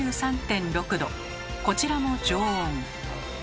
こちらも常温。